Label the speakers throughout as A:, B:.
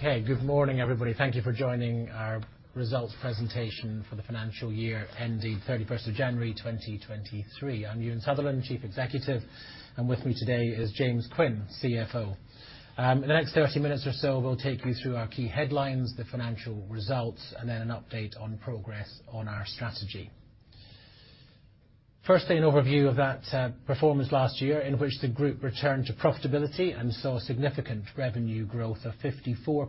A: Good morning, everybody. Thank you for joining our results presentation for the financial year ending 31st of January, 2023. I'm Euan Sutherland, Chief Executive, and with me today is James Quinn, CFO. In the next 30 minutes or so, we'll take you through our key headlines, the financial results, and then an update on progress on our strategy. An overview of that performance last year, in which the group returned to profitability and saw significant revenue growth of 54%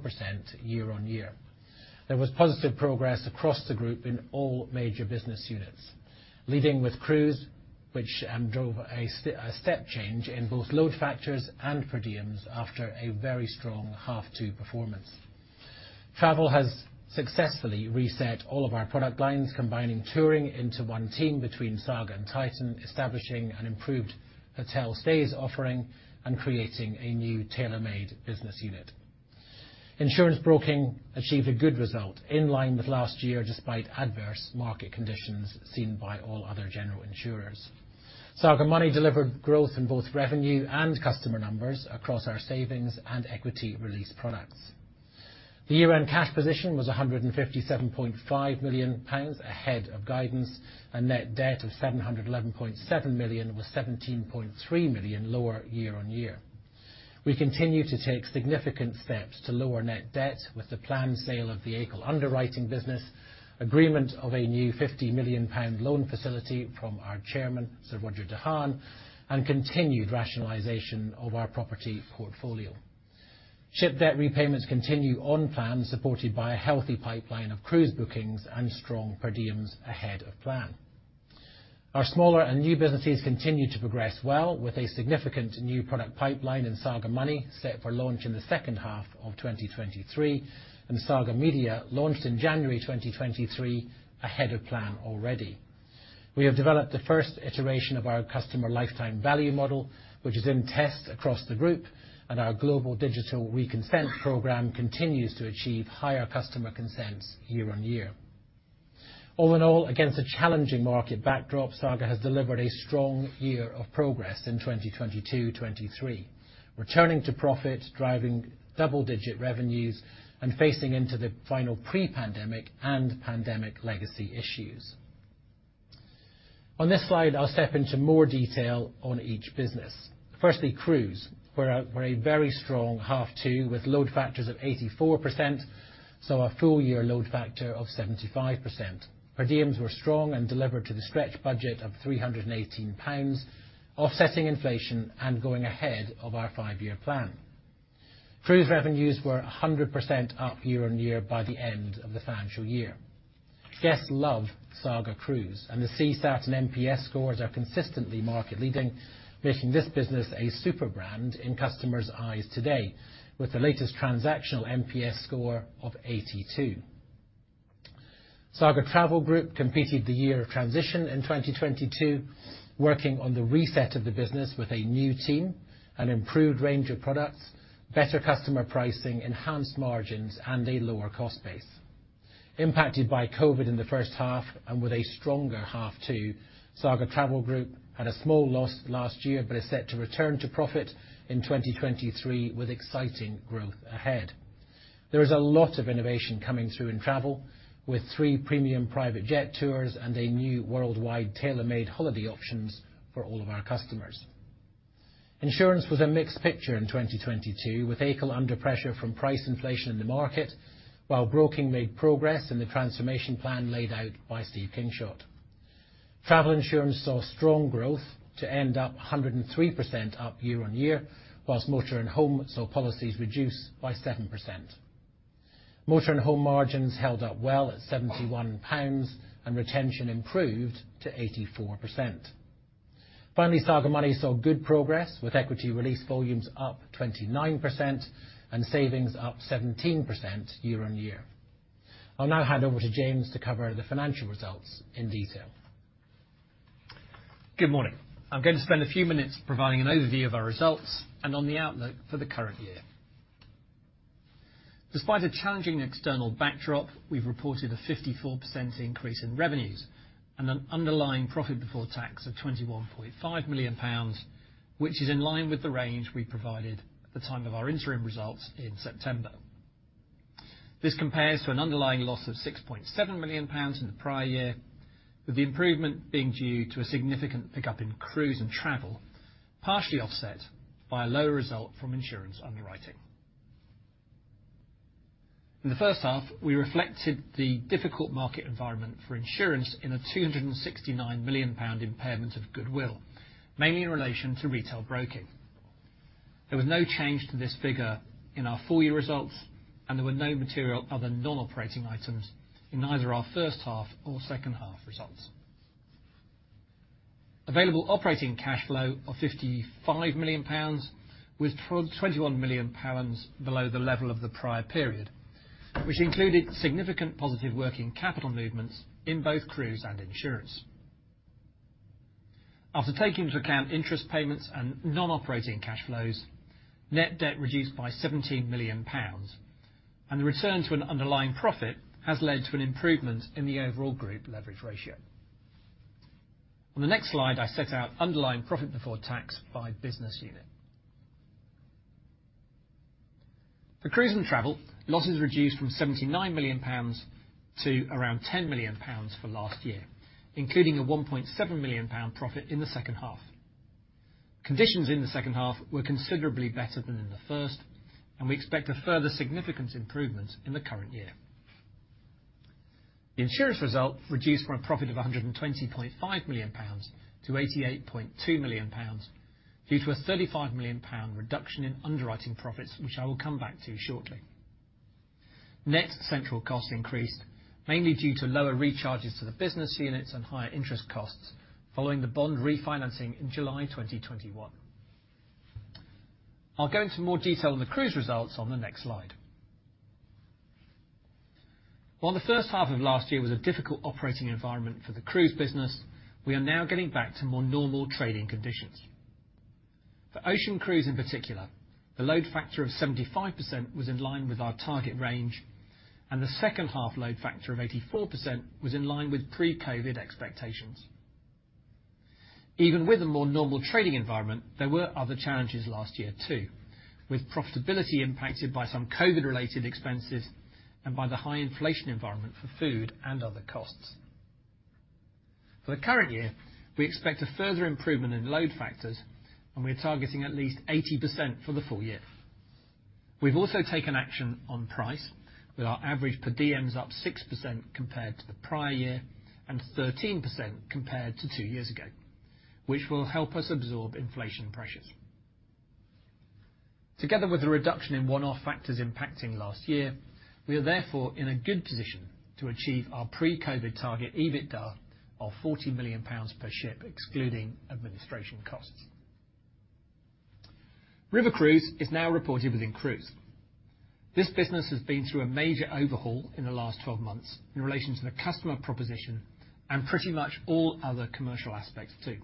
A: year-on-year. There was positive progress across the group in all major business units, leading with Cruise, which drove a step change in both load factors and per diems after a very strong half 2 performance. Travel has successfully reset all of our product lines, combining touring into one team between Saga and Titan, establishing an improved hotel stays offering and creating a new tailor-made business unit. Insurance broking achieved a good result in line with last year, despite adverse market conditions seen by all other general insurers. Saga Money delivered growth in both revenue and customer numbers across our savings and equity release products. The year-end cash position was 157.5 million pounds ahead of guidance, a net debt of 711.7 million, was 17.3 million lower year-on-year. We continue to take significant steps to lower net debt with the planned sale of the AICL underwriting business, agreement of a new 50 million pound loan facility from our chairman, Sir Roger De Haan, and continued rationalization of our property portfolio. Ship debt repayments continue on plan, supported by a healthy pipeline of cruise bookings and strong per diems ahead of plan. Our smaller and new businesses continue to progress well, with a significant new product pipeline in Saga Money set for launch in the second half of 2023, and Saga Media launched in January 2023, ahead of plan already. We have developed the first iteration of our customer lifetime value model, which is in test across the group, and our global digital reconsent program continues to achieve higher customer consents year-on-year. All in all, against a challenging market backdrop, Saga has delivered a strong year of progress in 2022-23, returning to profit, driving double-digit revenues, and facing into the final pre-pandemic and pandemic legacy issues. On this slide, I'll step into more detail on each business. Firstly, Saga Cruises were a very strong half 2 with load factors of 84%, a full year load factor of 75%. Per diems were strong and delivered to the stretch budget of 318 pounds, offsetting inflation and going ahead of our 5-year plan. Saga Cruises revenues were 100% up year-over-year by the end of the financial year. Guests love Saga Cruises and the CSAT and NPS scores are consistently market leading, making this business a super brand in customers' eyes today, with the latest transactional NPS score of 82. Saga Travel Group completed the year of transition in 2022, working on the reset of the business with a new team, an improved range of products, better customer pricing, enhanced margins, and a lower cost base. Impacted by COVID in the first half and with a stronger half two, Saga Travel Group had a small loss last year, is set to return to profit in 2023 with exciting growth ahead. There is a lot of innovation coming through in travel with three premium private jet tours and a new worldwide tailor-made holiday options for all of our customers. Insurance was a mixed picture in 2022, with AICL under pressure from price inflation in the market, while broking made progress in the transformation plan laid out by Steve Kingshott. Travel insurance saw strong growth to end up 103% up year-on-year, whilst motor and home saw policies reduce by 7%. Motor and home margins held up well at 71 pounds, retention improved to 84%. Finally, Saga Money saw good progress with equity release volumes up 29% and savings up 17% year-over-year. I'll now hand over to James to cover the financial results in detail.
B: Good morning. I'm going to spend a few minutes providing an overview of our results and on the outlook for the current year. Despite a challenging external backdrop, we've reported a 54% increase in revenues and an underlying profit before tax of 21.5 million pounds, which is in line with the range we provided at the time of our interim results in September. This compares to an underlying loss of 6.7 million pounds in the prior year, with the improvement being due to a significant pickup in cruise and travel, partially offset by a lower result from insurance underwriting. In the first half, we reflected the difficult market environment for insurance in a 269 million pound impairment of goodwill, mainly in relation to retail broking. There was no change to this figure in our full year results, and there were no material other non-operating items in either our first half or second half results. Available operating cash flow of 55 million pounds with 21 million pounds below the level of the prior period, which included significant positive working capital movements in both Cruise and Insurance. After taking into account interest payments and non-operating cash flows, net debt reduced by GBP 17 million, and the return to an underlying profit has led to an improvement in the overall group leverage ratio. On the next slide, I set out underlying profit before tax by business unit. For Cruise and Travel, losses reduced from GBP 79 million to around GBP 10 million for last year, including a GBP 1.7 million profit in the second half. Conditions in the second half were considerably better than in the first. We expect a further significant improvement in the current year. The insurance result reduced from a profit of 120.5 million pounds to 88.2 million pounds due to a 35 million pound reduction in underwriting profits, which I will come back to shortly. Net central costs increased mainly due to lower recharges to the business units and higher interest costs following the bond refinancing in July 2021. I'll go into more detail on the cruise results on the next slide. While the first half of last year was a difficult operating environment for the cruise business, we are now getting back to more normal trading conditions. For ocean cruise in particular, the load factor of 75% was in line with our target range, and the second-half load factor of 84% was in line with pre-COVID expectations. Even with a more normal trading environment, there were other challenges last year too, with profitability impacted by some COVID-related expenses and by the high inflation environment for food and other costs. For the current year, we expect a further improvement in load factors, and we're targeting at least 80% for the full year. We've also taken action on price, with our average per diems up 6% compared to the prior year and 13% compared to 2 years ago, which will help us absorb inflation pressures. Together with a reduction in one-off factors impacting last year, we are therefore in a good position to achieve our pre-COVID target, EBITDA, of 40 million pounds per ship, excluding administration costs. River cruise is now reported within cruise. This business has been through a major overhaul in the last 12 months in relation to the customer proposition and pretty much all other commercial aspects too.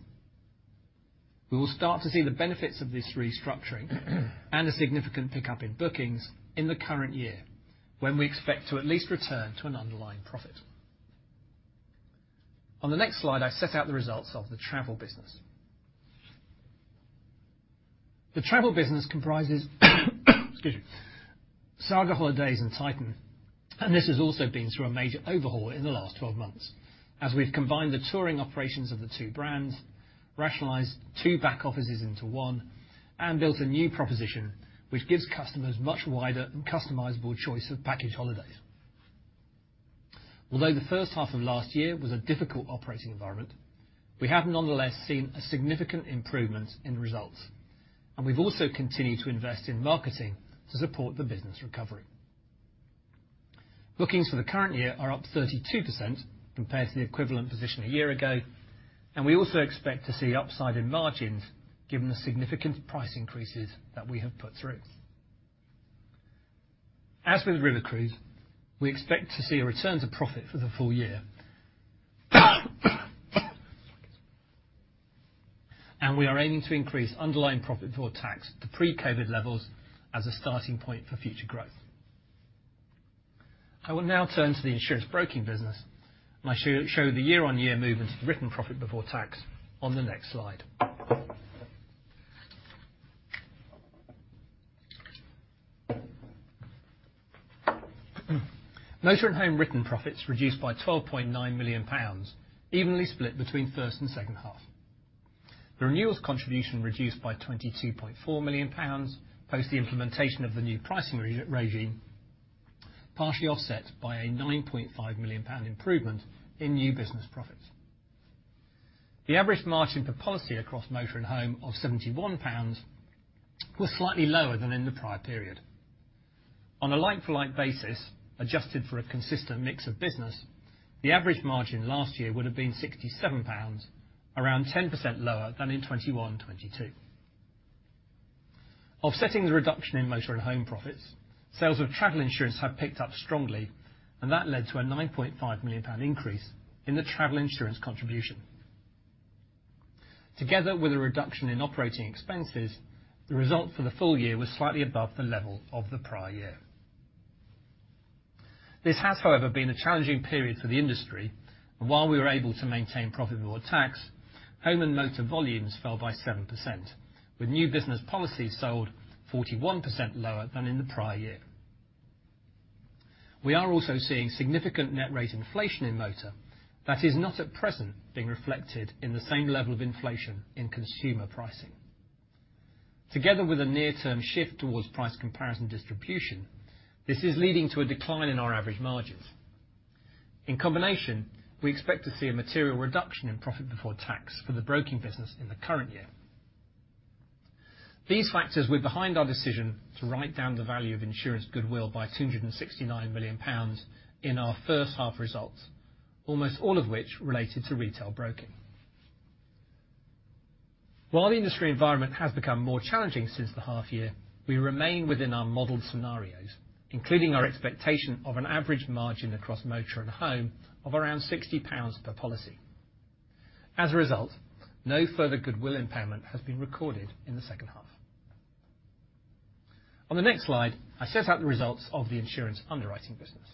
B: We will start to see the benefits of this restructuring and a significant pickup in bookings in the current year, when we expect to at least return to an underlying profit. On the next slide, I set out the results of the travel business. The travel business comprises excuse me, Saga Holidays and Titan. This has also been through a major overhaul in the last 12 months, as we've combined the touring operations of the 2 brands, rationalized 2 back offices into 1, and built a new proposition, which gives customers much wider and customizable choice of package holidays. Although the first half of last year was a difficult operating environment, we have nonetheless seen a significant improvement in results, and we've also continued to invest in marketing to support the business recovery. Bookings for the current year are up 32% compared to the equivalent position a year ago. We also expect to see upside in margins given the significant price increases that we have put through. As with river cruise, we expect to see a return to profit for the full year and we are aiming to increase underlying profit before tax to pre-COVID levels as a starting point for future growth. I will now turn to the insurance broking business, and I show the year-on-year movement of written profit before tax on the next slide. Motor and home written profits reduced by 12.9 million pounds, evenly split between first and second half. The renewals contribution reduced by 22.4 million pounds post the implementation of the new pricing re-regime, partially offset by a 9.5 million pound improvement in new business profits. The average margin per policy across motor and home of 71 pounds was slightly lower than in the prior period. On a like-for-like basis, adjusted for a consistent mix of business, the average margin last year would have been 67 pounds, around 10% lower than in 2021-2022. Offsetting the reduction in motor and home profits, sales of travel insurance have picked up strongly. That led to a 9.5 million pound increase in the travel insurance contribution. Together with a reduction in operating expenses, the result for the full year was slightly above the level of the prior year. This has, however, been a challenging period for the industry. While we were able to maintain profit before tax, home and motor volumes fell by 7%, with new business policies sold 41% lower than in the prior year. We are also seeing significant net rate inflation in motor that is not at present being reflected in the same level of inflation in consumer pricing. Together with a near-term shift towards price comparison distribution, this is leading to a decline in our average margins. In combination, we expect to see a material reduction in profit before tax for the broking business in the current year. These factors were behind our decision to write down the value of insurance goodwill by 269 million pounds in our first half results, almost all of which related to retail broking. While the industry environment has become more challenging since the half year, we remain within our modeled scenarios, including our expectation of an average margin across motor and home of around 60 pounds per policy. As a result, no further goodwill impairment has been recorded in the second half. On the next slide, I set out the results of the insurance underwriting business.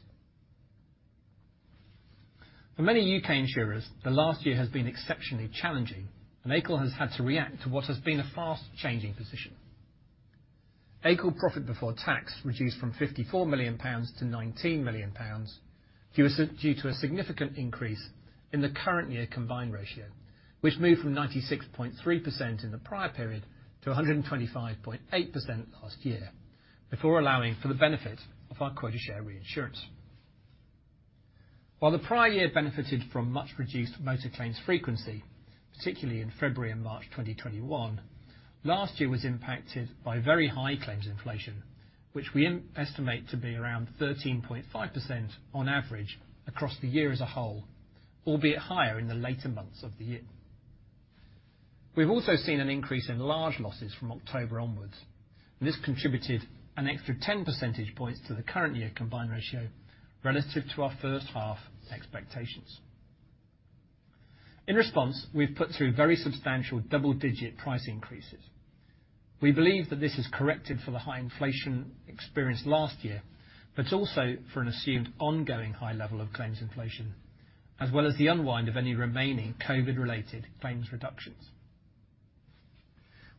B: For many UK insurers, the last year has been exceptionally challenging, and AICL has had to react to what has been a fast-changing position. AICL profit before tax reduced from 54 million pounds to 19 million pounds, due to a significant increase in the current year combined ratio, which moved from 96.3% in the prior period to 125.8% last year, before allowing for the benefit of our quota share reinsurance. While the prior year benefited from much reduced motor claims frequency, particularly in February and March 2021, last year was impacted by very high claims inflation, which we estimate to be around 13.5% on average across the year as a whole, albeit higher in the later months of the year. We've also seen an increase in large losses from October onwards. This contributed an extra 10 percentage points to the current year combined ratio relative to our first-half expectations. In response, we've put through very substantial double-digit price increases. We believe that this is corrected for the high inflation experienced last year, but also for an assumed ongoing high level of claims inflation, as well as the unwind of any remaining COVID-related claims reductions.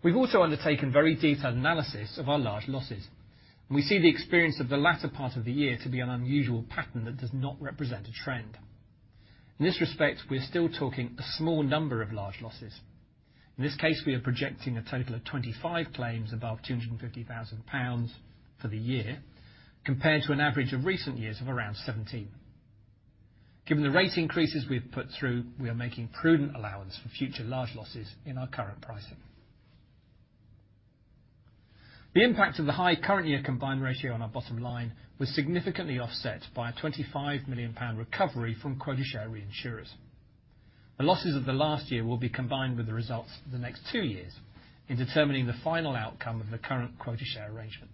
B: We've also undertaken very detailed analysis of our large losses, and we see the experience of the latter part of the year to be an unusual pattern that does not represent a trend. In this respect, we're still talking a small number of large losses. In this case, we are projecting a total of 25 claims above 250,000 pounds for the year, compared to an average of recent years of around 17. Given the rate increases we've put through, we are making prudent allowance for future large losses in our current pricing. The impact of the high current year combined ratio on our bottom line was significantly offset by a 25 million pound recovery from quota share reinsurers. The losses of the last year will be combined with the results for the next two years in determining the final outcome of the current quota share arrangement.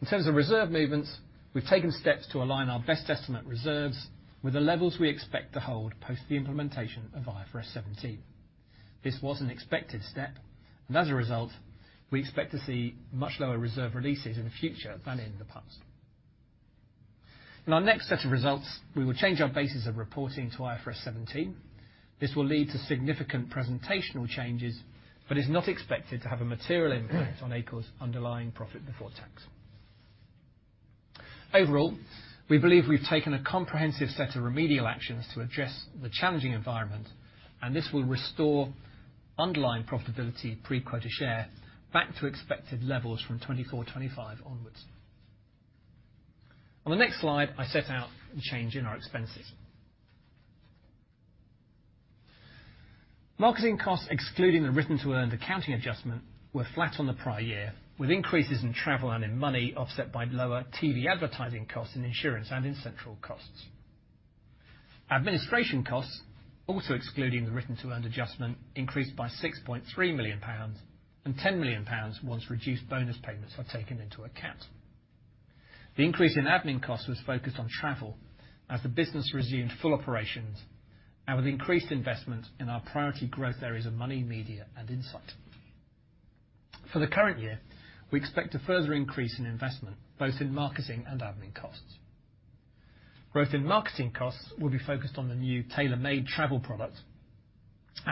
B: In terms of reserve movements, we've taken steps to align our best estimate reserves with the levels we expect to hold post the implementation of IFRS 17. This was an expected step, and as a result, we expect to see much lower reserve releases in the future than in the past. In our next set of results, we will change our basis of reporting to IFRS 17. This will lead to significant presentational changes, but is not expected to have a material impact on AICL's underlying profit before tax. Overall, we believe we've taken a comprehensive set of remedial actions to address the challenging environment. This will restore underlying profitability pre-quota share back to expected levels from 2024/2025 onwards. On the next slide, I set out the change in our expenses. Marketing costs, excluding the written to earned accounting adjustment, were flat on the prior year, with increases in travel and in money offset by lower TV advertising costs in insurance and in central costs. Administration costs, also excluding the written to earned adjustment, increased by 6.3 million pounds, and 10 million pounds once reduced bonus payments are taken into account. The increase in admin costs was focused on travel as the business resumed full operations. With increased investment in our priority growth areas of Money, Media, and insight, for the current year, we expect a further increase in investment, both in marketing and admin costs. Growth in marketing costs will be focused on the new tailor-made travel product.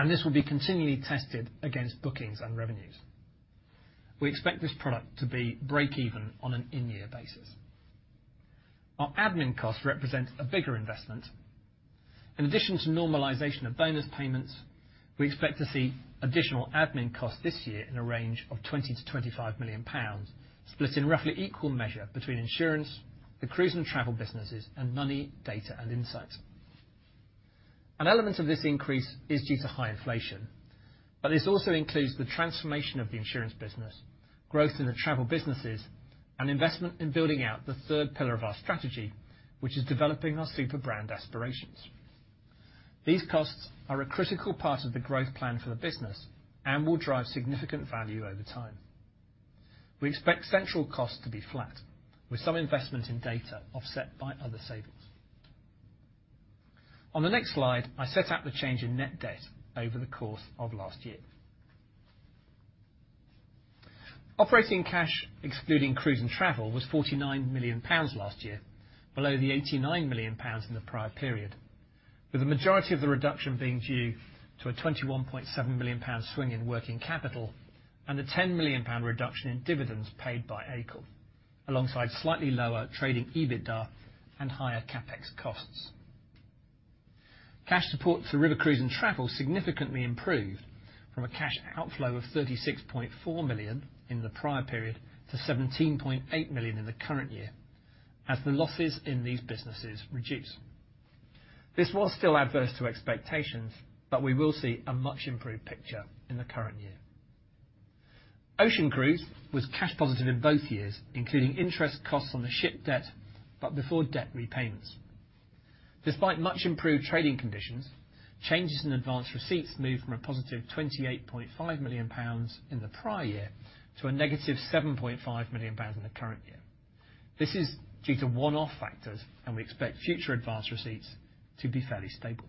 B: This will be continually tested against bookings and revenues. We expect this product to be break-even on an in-year basis. Our admin costs represent a bigger investment. In addition to normalization of bonus payments, we expect to see additional admin costs this year in a range of 20 million-25 million pounds, split in roughly equal measure between insurance, the cruise and travel businesses, and Money, data, and insight. An element of this increase is due to high inflation, but this also includes the transformation of the insurance business, growth in the travel businesses, and investment in building out the third pillar of our strategy, which is developing our super brand aspirations. These costs are a critical part of the growth plan for the business and will drive significant value over time. We expect central costs to be flat, with some investment in data offset by other savings. On the next slide, I set out the change in net debt over the course of last year. Operating cash, excluding cruise and travel, was 49 million pounds last year, below the 89 million pounds in the prior period, with the majority of the reduction being due to a 21.7 million pound swing in working capital and a 10 million pound reduction in dividends paid by AICL, alongside slightly lower trading EBITDA and higher CapEx costs. Cash support for river cruise and travel significantly improved from a cash outflow of 36.4 million in the prior period to 17.8 million in the current year as the losses in these businesses reduced. This was still adverse to expectations, we will see a much improved picture in the current year. Ocean Cruise was cash positive in both years, including interest costs on the ship debt, but before debt repayments. Despite much improved trading conditions, changes in advanced receipts moved from a positive 28.5 million pounds in the prior year to a negative 7.5 million pounds in the current year. This is due to one-off factors. We expect future advanced receipts to be fairly stable.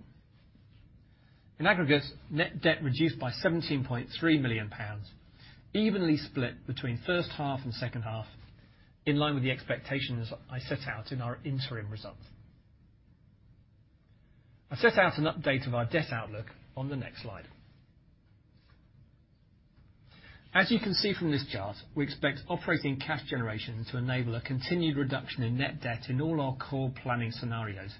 B: In aggregate, net debt reduced by 17.3 million pounds, evenly split between first half and second half, in line with the expectations I set out in our interim results. I set out an update of our debt outlook on the next slide. You can see from this chart, we expect operating cash generation to enable a continued reduction in net debt in all our core planning scenarios,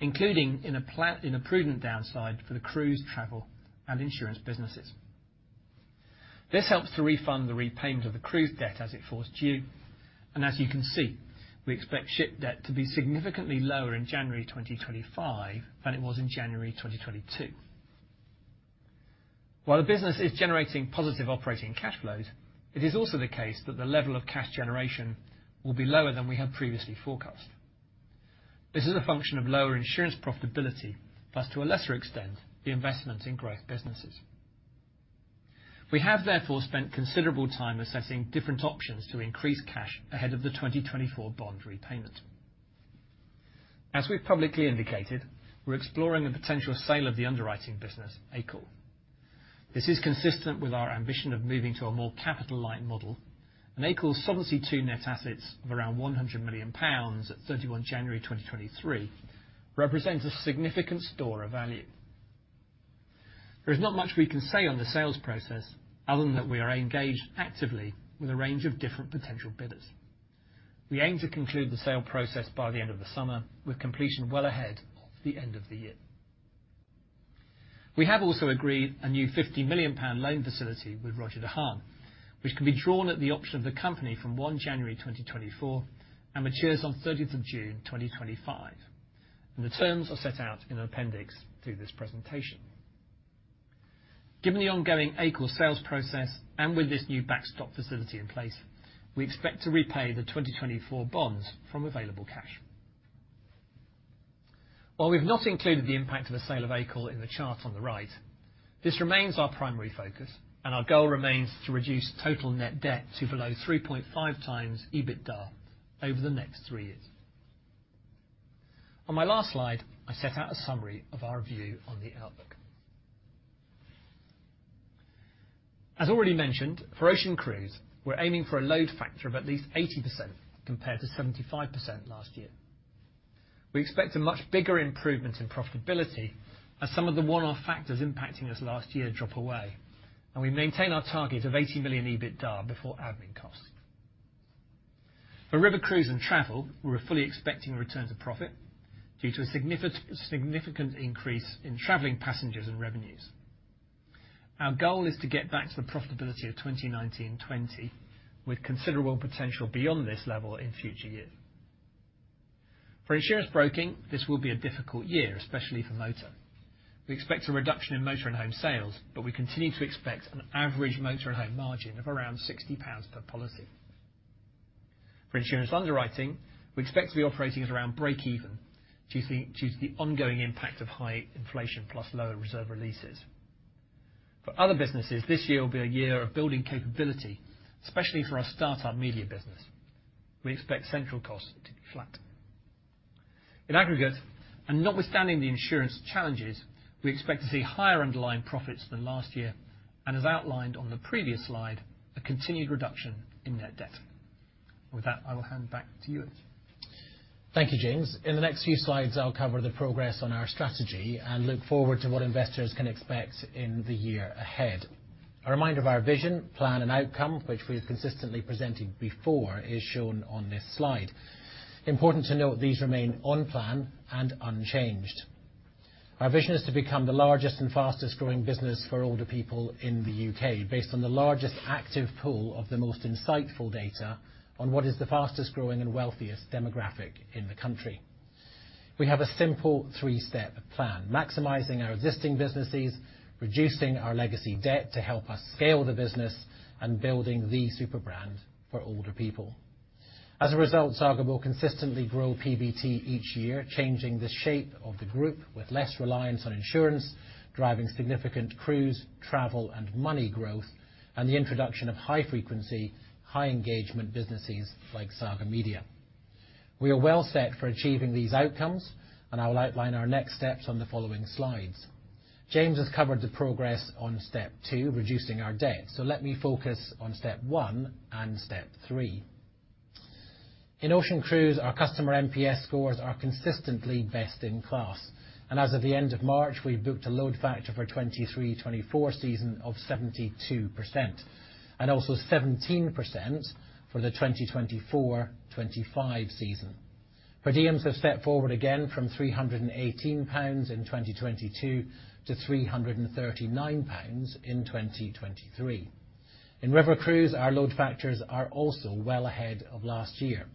B: including in a prudent downside for the cruise, travel, and insurance businesses. This helps to refund the repayment of the cruise debt as it falls due, and as you can see, we expect ship debt to be significantly lower in January 2025 than it was in January 2022. While the business is generating positive operating cash flows, it is also the case that the level of cash generation will be lower than we had previously forecast. This is a function of lower insurance profitability, plus to a lesser extent, the investment in growth businesses. We have therefore spent considerable time assessing different options to increase cash ahead of the 2024 bond repayment. As we've publicly indicated, we're exploring a potential sale of the underwriting business, AICL. This is consistent with our ambition of moving to a more capital-light model. AICL's Solvency II net assets of around 100 million pounds at 31 January 2023 represents a significant store of value. There is not much we can say on the sales process other than that we are engaged actively with a range of different potential bidders. We aim to conclude the sale process by the end of the summer, with completion well ahead of the end of the year. We have also agreed a new 50 million pound loan facility with Roger De Haan, which can be drawn at the option of the company from January 1, 2024 and matures on June 30, 2025. The terms are set out in an appendix to this presentation. Given the ongoing Acorn sales process, and with this new backstop facility in place, we expect to repay the 2024 bonds from available cash. While we've not included the impact of the sale of Acorn in the chart on the right, this remains our primary focus. Our goal remains to reduce total net debt to below 3.5 times EBITDA over the next three years. On my last slide, I set out a summary of our view on the outlook. As already mentioned, for ocean cruise, we're aiming for a load factor of at least 80% compared to 75% last year. We expect a much bigger improvement in profitability as some of the one-off factors impacting us last year drop away. We maintain our target of 80 million EBITDA before admin costs. For river cruise and travel, we're fully expecting a return to profit due to a significant increase in traveling passengers and revenues. Our goal is to get back to the profitability of 2019 and 2020 with considerable potential beyond this level in future years. For insurance broking, this will be a difficult year, especially for motor. We expect a reduction in motor and home sales, but we continue to expect an average motor and home margin of around 60 pounds per policy. For insurance underwriting, we expect to be operating at around break-even due to the ongoing impact of high inflation plus lower reserve releases. For other businesses, this year will be a year of building capability, especially for our startup media business. We expect central costs to be flat. In aggregate, notwithstanding the insurance challenges, we expect to see higher underlying profits than last year, and as outlined on the previous slide, a continued reduction in net debt. With that, I will hand back to Euan.
A: Thank you, James. In the next few slides, I'll cover the progress on our strategy and look forward to what investors can expect in the year ahead. A reminder of our vision, plan, and outcome, which we've consistently presented before, is shown on this slide. Important to note, these remain on plan and unchanged. Our vision is to become the largest and fastest growing business for older people in the U.K., based on the largest active pool of the most insightful data on what is the fastest growing and wealthiest demographic in the country. We have a simple three-step plan, maximizing our existing businesses, reducing our legacy debt to help us scale the business, and building the super brand for older people. Saga will consistently grow PBT each year, changing the shape of the group with less reliance on insurance, driving significant cruise, travel, and money growth, and the introduction of high-frequency, high-engagement businesses like Saga Media. We are well set for achieving these outcomes. I will outline our next steps on the following slides. James has covered the progress on step two, reducing our debt. Let me focus on step one and step three. In ocean cruise, our customer NPS scores are consistently best in class. As of the end of March, we've booked a load factor for 2023-2024 season of 72%, and also 17% for the 2024-2025 season. Per diems have stepped forward again from 318 pounds in 2022 to 339 pounds in 2023. In river cruise, our load factors are also well ahead of last year.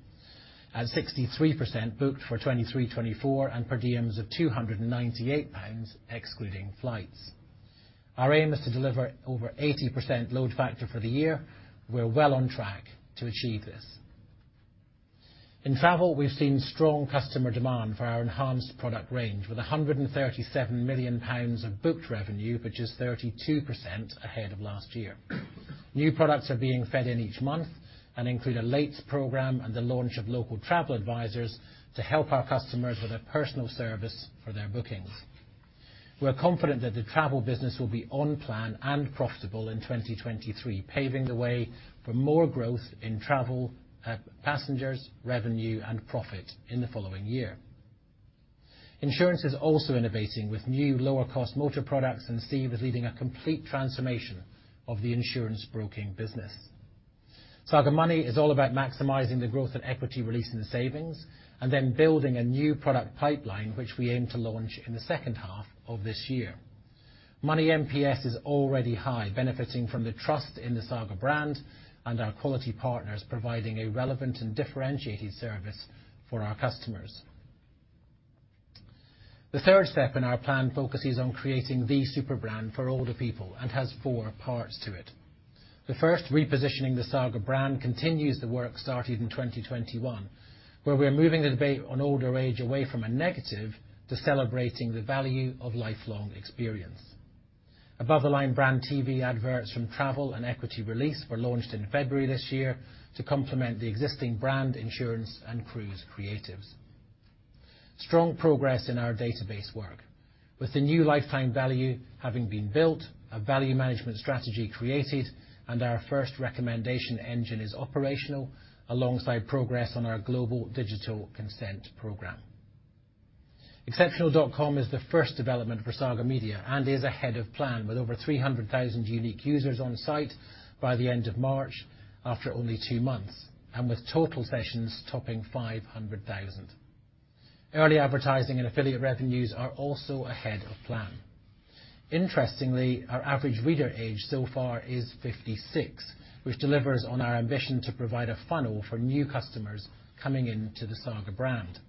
A: At 63% booked for 2023-2024, and per diems of 298 pounds excluding flights. Our aim is to deliver over 80% load factor for the year. We're well on track to achieve this. In travel, we've seen strong customer demand for our enhanced product range, with 137 million pounds of booked revenue, which is 32% ahead of last year. New products are being fed in each month and include a lates program and the launch of local travel advisors to help our customers with a personal service for their bookings. We're confident that the travel business will be on plan and profitable in 2023, paving the way for more growth in travel, passengers, revenue, and profit in the following year. Insurance is also innovating with new lower-cost motor products. Steve is leading a complete transformation of the insurance broking business. Saga Money is all about maximizing the growth and equity release in savings, building a new product pipeline, which we aim to launch in the second half of this year. Money NPS is already high, benefiting from the trust in the Saga brand and our quality partners, providing a relevant and differentiated service for our customers. The third step in our plan focuses on creating the super brand for older people, has four parts to it. The first, repositioning the Saga brand, continues the work started in 2021, where we are moving the debate on older age away from a negative to celebrating the value of lifelong experience. Above the line brand TV adverts from Travel and Equity Release were launched in February this year to complement the existing brand, Insurance and Cruise creatives. Strong progress in our database work. With the new lifetime value having been built, a value management strategy created, and our first recommendation engine is operational alongside progress on our global digital consent program. Exceptional.com is the first development for Saga Media and is ahead of plan with over 300,000 unique users on site by the end of March after only two months, and with total sessions topping 500,000. Early advertising and affiliate revenues are also ahead of plan. Interestingly, our average reader age so far is 56, which delivers on our ambition to provide a funnel for new customers coming into the Saga brand.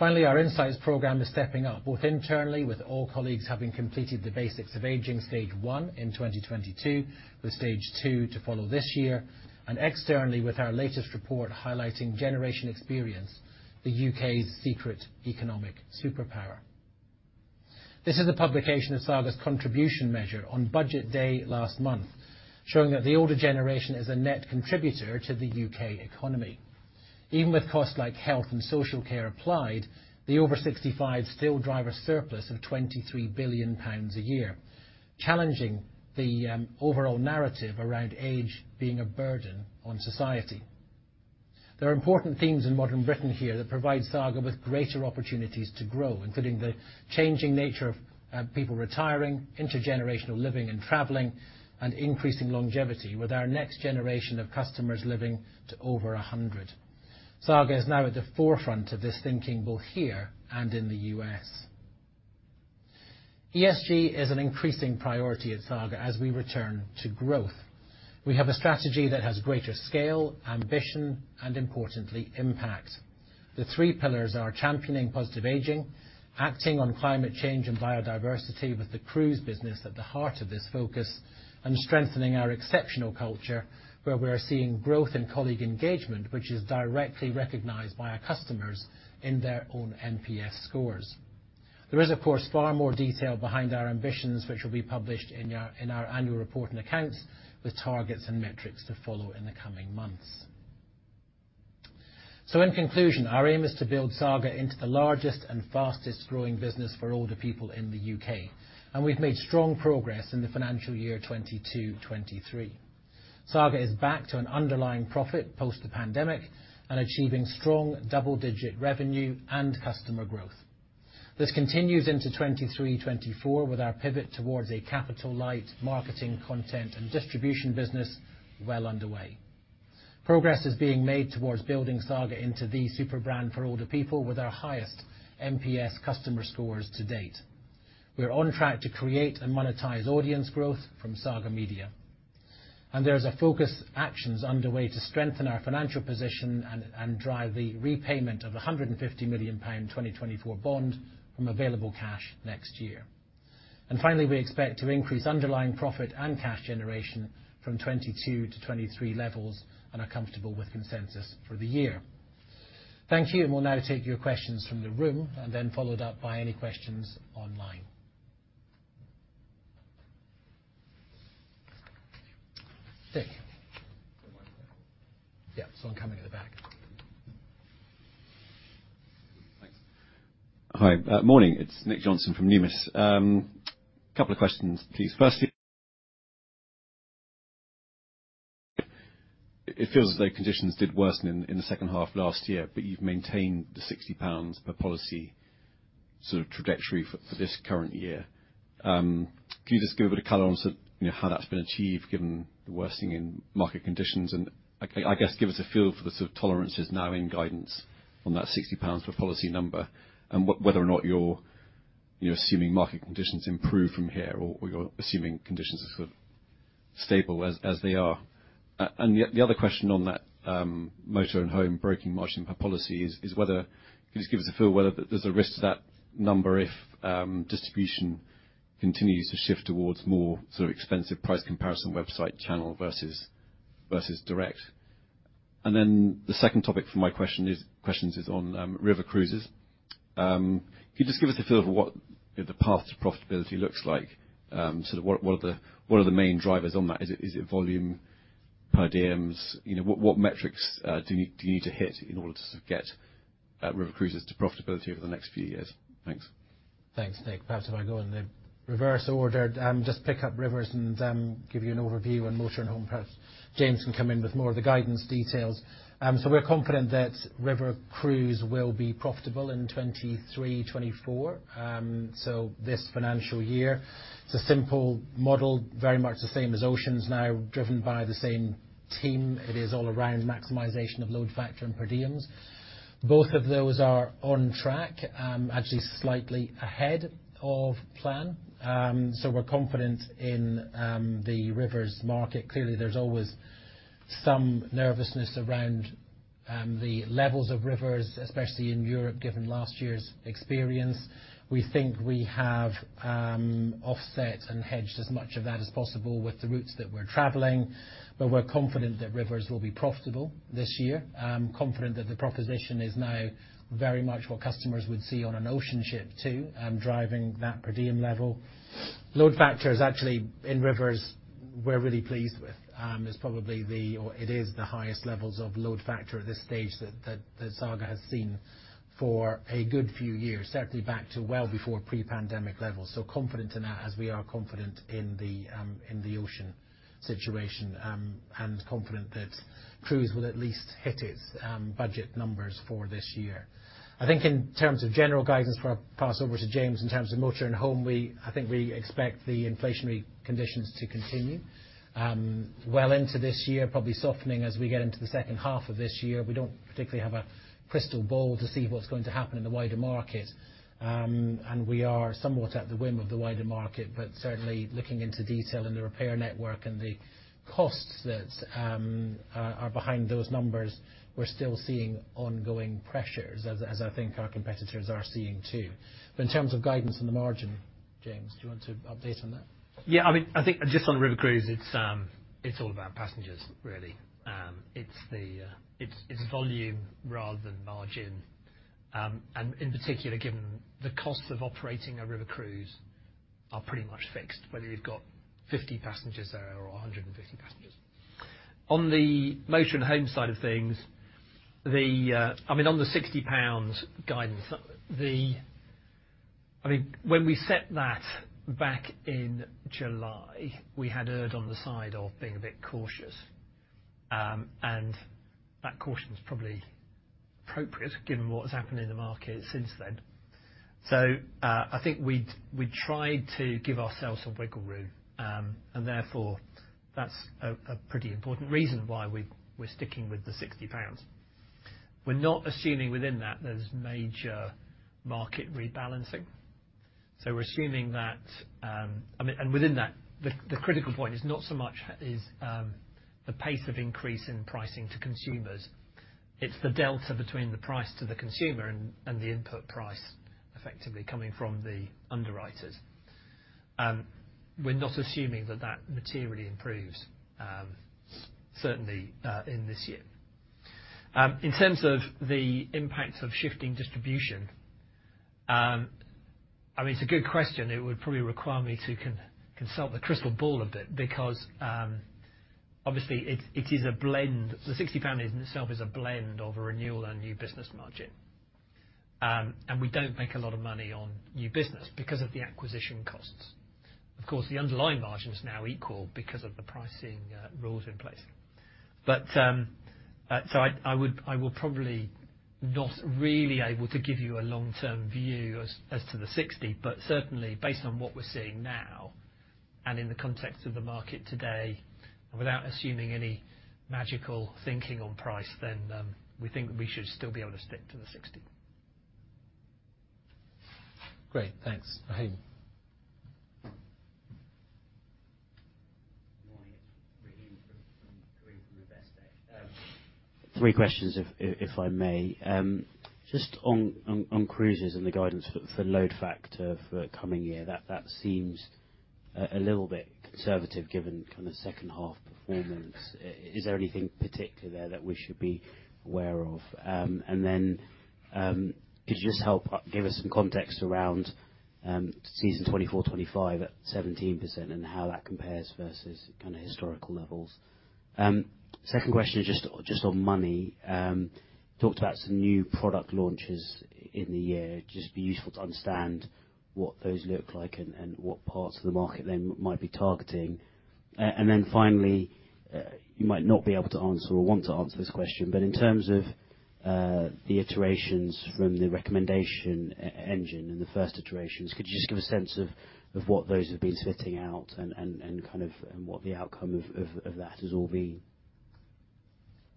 A: Our insights program is stepping up, both internally with all colleagues having completed the Basics of Ageing Stage 1 in 2022, with Stage 2 to follow this year, and externally with our latest report highlighting Generation Experience, the U.K.'s secret economic superpower. This is a publication of Saga's contribution measure on budget day last month, showing that the older generation is a net contributor to the U.K. economy. Even with costs like health and social care applied, the over 65 still drive a surplus of 23 billion pounds a year, challenging the overall narrative around age being a burden on society. There are important themes in modern Britain here that provide Saga with greater opportunities to grow, including the changing nature of people retiring, intergenerational living and traveling, and increasing longevity with our next generation of customers living to over 100. Saga is now at the forefront of this thinking, both here and in the U.S. ESG is an increasing priority at Saga as we return to growth. We have a strategy that has greater scale, ambition, and importantly, impact. The three pillars are championing positive aging, acting on climate change and biodiversity with the cruise business at the heart of this focus, and strengthening our exceptional culture where we are seeing growth in colleague engagement, which is directly recognized by our customers in their own NPS scores. There is, of course, far more detail behind our ambitions, which will be published in our annual report and accounts, with targets and metrics to follow in the coming months. In conclusion, our aim is to build Saga into the largest and fastest growing business for older people in the UK, and we've made strong progress in the financial year 2022, 2023. Saga is back to an underlying profit post the pandemic and achieving strong double-digit revenue and customer growth. This continues into 2023, 2024 with our pivot towards a capital-light marketing content and distribution business well underway. Progress is being made towards building Saga into the super brand for older people with our highest NPS customer scores to date. We are on track to create and monetize audience growth from Saga Media. There's a focus actions underway to strengthen our financial position and drive the repayment of a 150 million pound 2024 bond from available cash next year. Finally, we expect to increase underlying profit and cash generation from 22 to 23 levels and are comfortable with consensus for the year. Thank you. We'll now take your questions from the room and then followed up by any questions online. Nick. Yeah, someone coming in the back.
C: Thanks. Hi. Morning. It's Nick Johnson from Numis. Couple of questions, please. Firstly, it feels as though conditions did worsen in the second half last year, but you've maintained the 60 pounds per policy sort of trajectory for this current year. Can you just give a bit of color on sort of, you know, how that's been achieved given the worsening in market conditions? And I guess give us a feel for the sort of tolerances now in guidance on that 60 pounds per policy number and whether or not you're assuming market conditions improve from here or you're assuming conditions are sort of stable as they are. And the other question on that motor and home broking margin per policy is whether... Can you just give us a feel whether there's a risk to that number if distribution continues to shift towards more sort of expensive price comparison website channel versus direct? Then the second topic for my question is on river cruises. Can you just give us a feel for what, you know, the path to profitability looks like? Sort of what are the main drivers on that? Is it volume? Per diems. You know, what metrics do you need to hit in order to get river cruises to profitability over the next few years? Thanks.
A: Thanks, Nick. Perhaps if I go in the reverse order. Just pick up rivers and give you an overview on motor and home. Perhaps James can come in with more of the guidance details. We're confident that river cruise will be profitable in 2023, 2024, this financial year. It's a simple model, very much the same as oceans now, driven by the same team. It is all around maximization of load factor and per diems. Both of those are on track, actually slightly ahead of plan. We're confident in the rivers market. Clearly, there's always some nervousness around the levels of rivers, especially in Europe, given last year's experience. We think we have offset and hedged as much of that as possible with the routes that we're traveling. We're confident that rivers will be profitable this year. Confident that the proposition is now very much what customers would see on an ocean ship too, driving that per diem level. Load factors actually in rivers we're really pleased with. It is the highest levels of load factor at this stage that Saga has seen for a good few years, certainly back to well before pre-pandemic levels. Confident in that as we are confident in the ocean situation. Confident that cruise will at least hit its budget numbers for this year. I think in terms of general guidance, before I pass over to James in terms of motor and home, I think we expect the inflationary conditions to continue well into this year, probably softening as we get into the second half of this year. We don't particularly have a crystal ball to see what's going to happen in the wider market. We are somewhat at the whim of the wider market. Certainly looking into detail in the repair network and the costs that are behind those numbers, we're still seeing ongoing pressures, as I think our competitors are seeing too. In terms of guidance on the margin, James, do you want to update on that?
B: I mean, I think just on river cruise, it's all about passengers really. It's volume rather than margin. In particular, given the cost of operating a river cruise are pretty much fixed, whether you've got 50 passengers there or 150 passengers. On the motor and home side of things, on the 60 pounds guidance, when we set that back in July, we had erred on the side of being a bit cautious. That caution was probably appropriate given what has happened in the market since then. I think we'd tried to give ourselves some wiggle room. Therefore, that's a pretty important reason why we're sticking with the 60 pounds. We're not assuming within that there's major market rebalancing. We're assuming that. I mean, and within that, the critical point is not so much is the pace of increase in pricing to consumers. It's the delta between the price to the consumer and the input price effectively coming from the underwriters. We're not assuming that that materially improves, certainly in this year. In terms of the impact of shifting distribution, I mean, it's a good question. It would probably require me to consult the crystal ball a bit because obviously it is a blend. The 60 GBP in itself is a blend of a renewal and new business margin. We don't make a lot of money on new business because of the acquisition costs. Of course, the underlying margin is now equal because of the pricing rules in place. I will probably not really able to give you a long-term view as to the 60. Certainly based on what we're seeing now and in the context of the market today, and without assuming any magical thinking on price, we think we should still be able to stick to the 60.
A: Great. Thanks. Rahim?
D: Good morning. It's Rahim Karim from Investec. Three questions if I may. Just on cruises and the guidance for load factor for coming year, that seems a little bit conservative given kind of second half performance. Is there anything particular there that we should be aware of? Then, could you just help give us some context around season 2024, 2025 at 17% and how that compares versus kind of historical levels? Second question is just on money. Talked about some new product launches in the year. Just be useful to understand what those look like and what parts of the market they might be targeting. Finally, you might not be able to answer or want to answer this question, but in terms of the iterations from the recommendation engine and the first iterations, could you just give a sense of what those have been spitting out and kind of and what the outcome of that has all been?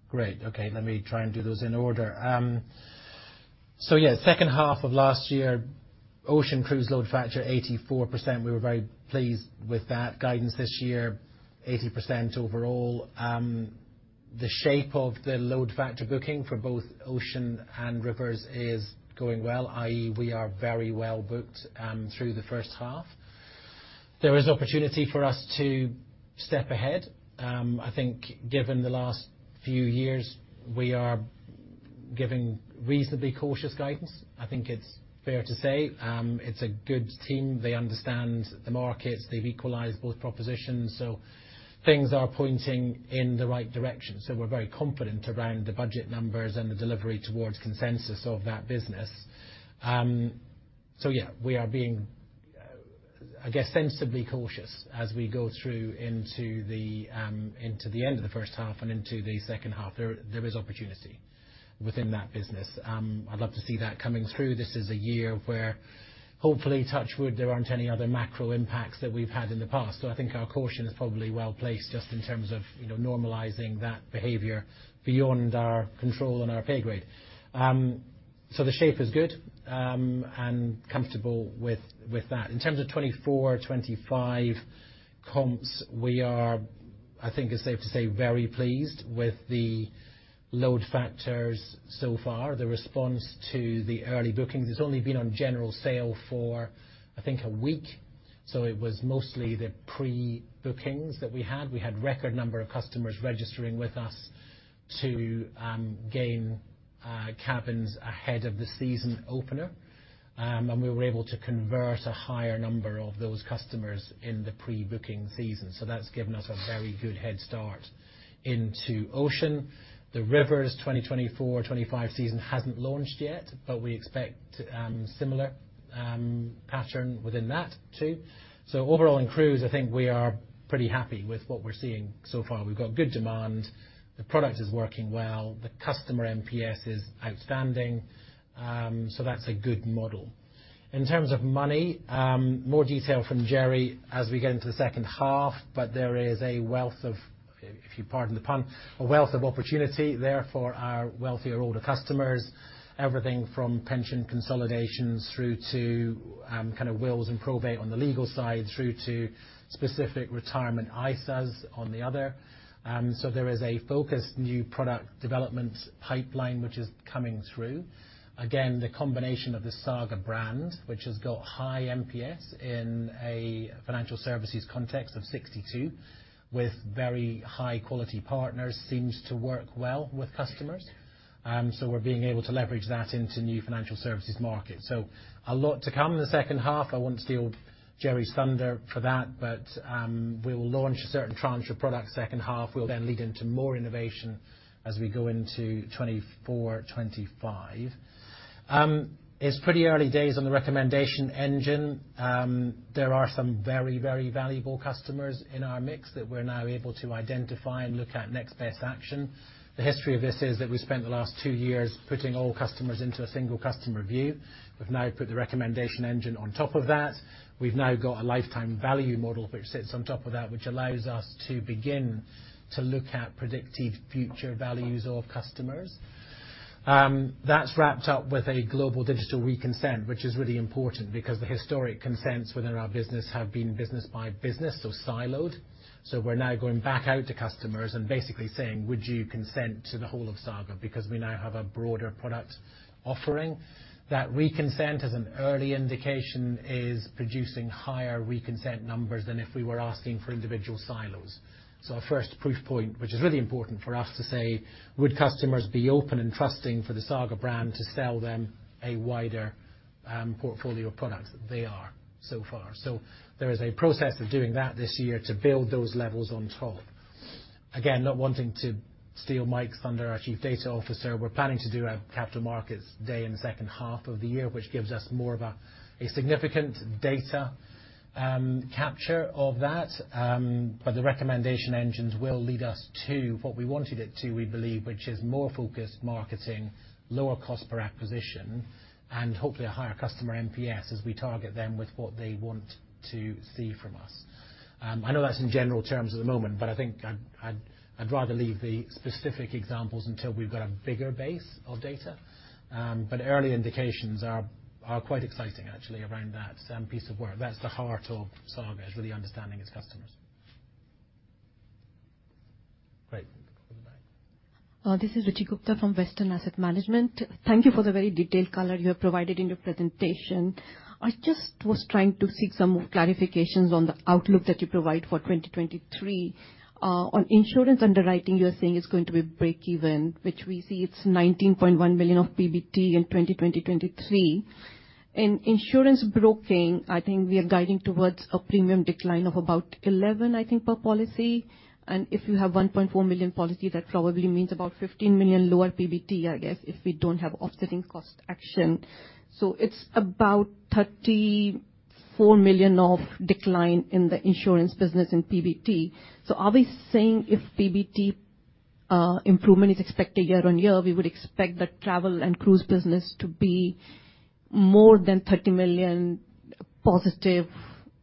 A: Great. Okay. Let me try and do those in order. So yeah, second half of last year, ocean cruise load factor 84%. We were very pleased with that guidance this year, 80% overall. The shape of the load factor booking for both ocean and rivers is going well, i.e., we are very well booked through the first half. There is opportunity for us to step ahead. I think given the last few years, we are giving reasonably cautious guidance, I think it's fair to say. It's a good team. They understand the markets. They've equalized both propositions. Things are pointing in the right direction. We're very confident around the budget numbers and the delivery towards consensus of that business. Yeah, we are being, I guess, sensibly cautious as we go through into the end of the first half and into the second half. There is opportunity within that business. I'd love to see that coming through. This is a year where hopefully, touch wood, there aren't any other macro impacts that we've had in the past. I think our caution is probably well-placed just in terms of, you know, normalizing that behavior beyond our control and our pay grade. The shape is good, and comfortable with that. In terms of 2024, 2025 comps, we are, I think it's safe to say, very pleased with the load factors so far. The response to the early bookings. It's only been on general sale for, I think, a week, so it was mostly the pre-bookings that we had. We had record number of customers registering with us to gain cabins ahead of the season opener. We were able to convert a higher number of those customers in the pre-booking season. That's given us a very good head start into ocean. The rivers 2024/2025 season hasn't launched yet, but we expect similar pattern within that too. Overall, in cruise, I think we are pretty happy with what we're seeing so far. We've got good demand. The product is working well. The customer NPS is outstanding. That's a good model. In terms of money, more detail from Gerry as we get into the second half, but there is a wealth of, if you pardon the pun, a wealth of opportunity there for our wealthier older customers. Everything from pension consolidations through to kind of wills and probate on the legal side through to specific retirement ISAs on the other. There is a focused new product development pipeline which is coming through. Again, the combination of the Saga brand, which has got high NPS in a financial services context of 62, with very high quality partners, seems to work well with customers. We're being able to leverage that into new financial services markets. A lot to come in the second half. I won't steal Gerry's thunder for that, but we will launch a certain tranche of products second half. We'll then lead into more innovation as we go into 2024/2025. It's pretty early days on the recommendation engine. There are some very, very valuable customers in our mix that we're now able to identify and look at next best action. The history of this is that we spent the last 2 years putting all customers into a single customer view. We've now put the recommendation engine on top of that. We've now got a lifetime value model which sits on top of that, which allows us to begin to look at predictive future values of customers. That's wrapped up with a global digital reconsent, which is really important because the historic consents within our business have been business by business, so siloed. We're now going back out to customers and basically saying, "Would you consent to the whole of Saga?" Because we now have a broader product offering. That reconsent, as an early indication, is producing higher reconsent numbers than if we were asking for individual silos. Our first proof point, which is really important for us to say, would customers be open and trusting for the Saga brand to sell them a wider portfolio of products? They are so far. There is a process of doing that this year to build those levels on top. Again, not wanting to steal Mike's thunder, our Chief Data Officer, we're planning to do a capital markets day in the second half of the year, which gives us more of a significant data capture of that. The recommendation engines will lead us to what we wanted it to, we believe, which is more focused marketing, lower cost per acquisition, and hopefully a higher customer NPS as we target them with what they want to see from us. I know that's in general terms at the moment, but I'd rather leave the specific examples until we've got a bigger base of data. Early indications are quite exciting actually around that piece of work. That's the heart of Saga, is really understanding its customers.
E: Great. At the back.
F: This is Ruchi Gupta from Western Asset Management. Thank you for the very detailed color you have provided in your presentation. I just was trying to seek some clarifications on the outlook that you provide for 2023. On insurance underwriting, you're saying it's going to be break even, which we see it's 19.1 million of PBT in 2023. In insurance broking, I think we are guiding towards a premium decline of about 11%, I think, per policy. If you have 1.4 million policy, that probably means about 15 million lower PBT, I guess, if we don't have offsetting cost action. It's about 34 million of decline in the insurance business in PBT. Are we saying if PBT improvement is expected year-on-year, we would expect the travel and cruise business to be more than 30 million positive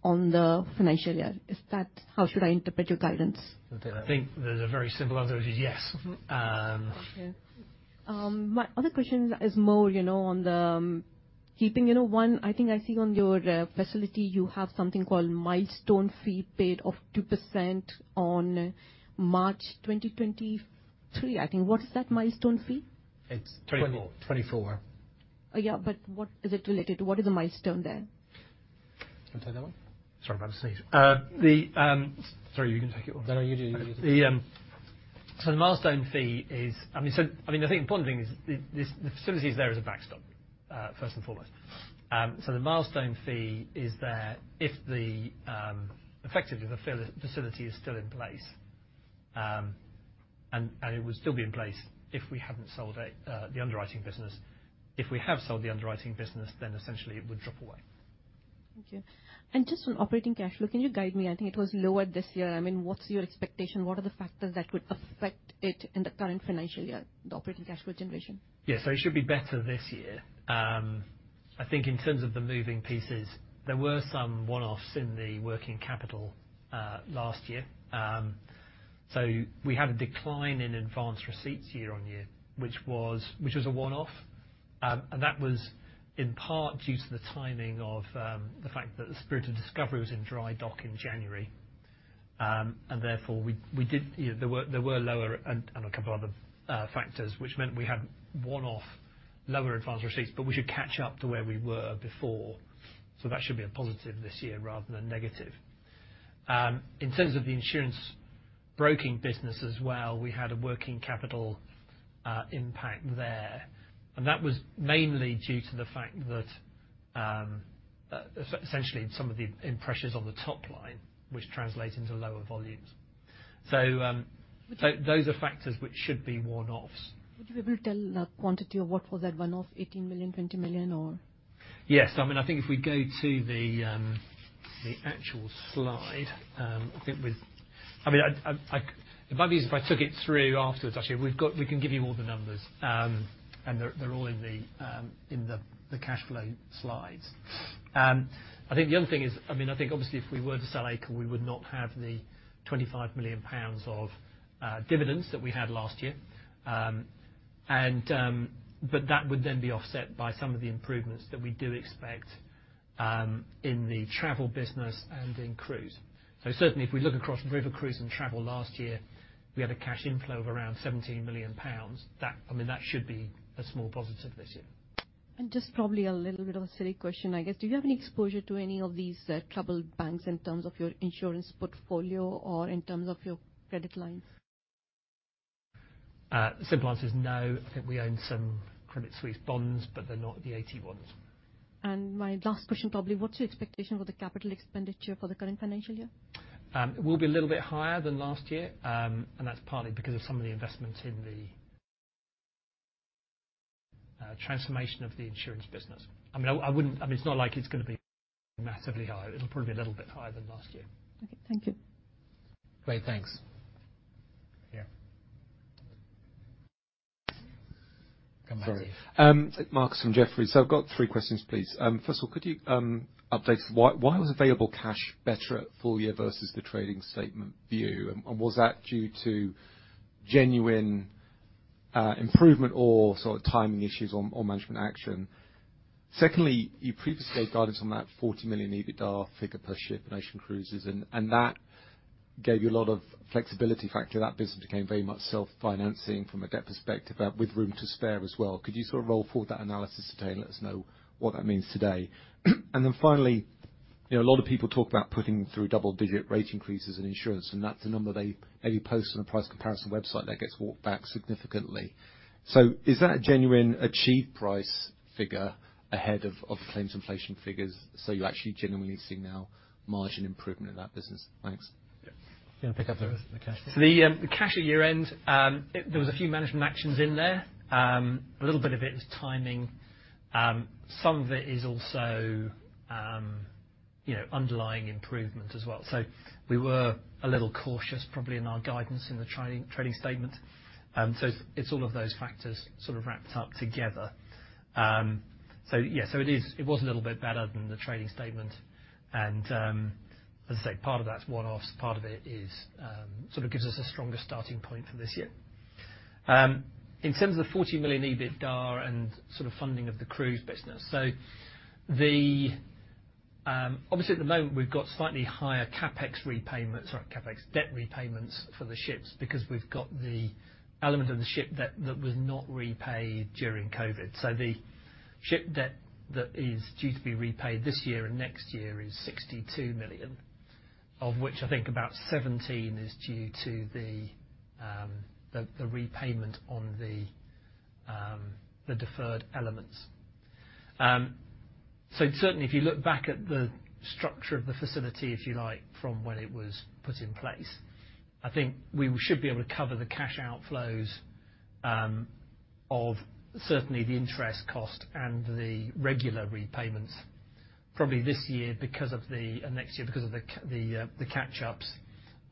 F: on the financial year? Is that how should I interpret your guidance?
A: I think there's a very simple answer, which is yes.
F: Okay. My other question is more, you know, on the keeping, you know, one, I think I see on your facility you have something called milestone fee paid of 2% on March 2023, I think. What is that milestone fee?
A: It's 24.
E: Twenty-four.
F: What is it related to? What is the milestone there?
E: Want to take that one?
B: Sorry about the sneeze. The... Sorry, you can take it or-.
E: No, you do. You do.
B: The milestone fee is, I mean, I mean, I think the important thing is this, the facility is there as a backstop, first and foremost. The milestone fee is there if the effectively, the facility is still in place. It would still be in place if we haven't sold it, the underwriting business. If we have sold the underwriting business, then essentially it would drop away.
F: Thank you. Just on operating cash flow, can you guide me? I think it was lower this year. I mean, what's your expectation? What are the factors that would affect it in the current financial year, the operating cash flow generation?
B: Yes. It should be better this year. I think in terms of the moving pieces, there were some one-offs in the working capital, last year. We had a decline in advance receipts year-on-year, which was a one-off. That was in part due to the timing of, the fact that the Spirit of Discovery was in dry dock in January. Therefore, we did, you know, there were lower and, a couple other, factors, which meant we had one-off lower advance receipts, but we should catch up to where we were before. That should be a positive this year rather than a negative. In terms of the insurance broking business as well, we had a working capital impact there. That was mainly due to the fact that essentially some of the impressions on the top line, which translate into lower volumes. Those are factors which should be one-offs.
F: Would you be able to tell the quantity of what was that one-off, 18 million, 20 million or?
B: Yes. I mean, I think if we go to the actual slide, I mean, it might be easier if I took it through afterwards, actually. We can give you all the numbers. They're, they're all in the cash flow slides. I think the other thing is, I mean, I think obviously if we were to sell Aker, we would not have the 25 million pounds of dividends that we had last year. That would then be offset by some of the improvements that we do expect in the travel business and in cruise. Certainly if we look across river cruise and travel last year, we had a cash inflow of around 17 million pounds. That, I mean, that should be a small positive this year.
F: Just probably a little bit of a silly question, I guess. Do you have any exposure to any of these troubled banks in terms of your insurance portfolio or in terms of your credit lines?
B: The simple answer is no. I think we own some Credit Suisse bonds, but they're not the AT ones.
F: My last question, probably. What's your expectation for the capital expenditure for the current financial year?
B: It will be a little bit higher than last year. That's partly because of some of the investment in the transformation of the insurance business. I mean, it's not like it's gonna be massively high. It'll probably be a little bit higher than last year.
F: Okay. Thank you.
E: Great. Thanks. Yeah. Come back here.
G: Sorry. Marcus from Jefferies. I've got 3 questions, please. First of all, could you update us, why was available cash better at full year versus the trading statement view, and was that due to genuine improvement or sort of timing issues or management action? Secondly, you previously guided us on that 40 million EBITDA figure per ship in Ocean Cruises, and that gave you a lot of flexibility factor. That business became very much self-financing from a debt perspective, with room to spare as well. Could you sort of roll forward that analysis today and let us know what that means today? Finally, you know, a lot of people talk about putting through double-digit rate increases in insurance, and that's a number they maybe post on a price comparison website that gets walked back significantly. Is that a genuine achieved price figure ahead of claims inflation figures, so you're actually genuinely seeing now margin improvement in that business? Thanks.
E: Yeah. Do you wanna pick up the cash one?
B: The cash at year-end, it, there was a few management actions in there. A little bit of it is timing. Some of it is also, you know, underlying improvement as well. We were a little cautious probably in our guidance in the tri-trading statement. It's, it's all of those factors sort of wrapped up together. Yeah. It is, it was a little bit better than the trading statement. As I say, part of that's one-offs, part of it is, sort of gives us a stronger starting point for this year. In terms of the 40 million EBITDA and sort of funding of the cruise business. The obviously at the moment, we've got slightly higher CapEx repayments, sorry, CapEx debt repayments for the ships because we've got the element of the ship debt that was not repaid during COVID. The ship debt that is due to be repaid this year and next year is 62 million, of which I think about 17 is due to the repayment on the deferred elements. Certainly if you look back at the structure of the facility, if you like, from when it was put in place, I think we should be able to cover the cash outflows of certainly the interest cost and the regular repayments probably this year because of the, and next year because of the catch-ups